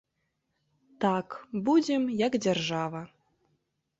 Так, будзем, як дзяржава.